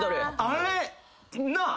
あれなっ？